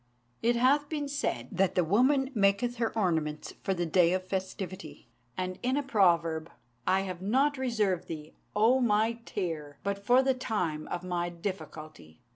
It hath been said that the woman maketh her ornaments for the day of festivity; and, in a proverb, 'I have not reserved thee, O my tear, but for the time of my difficulty!'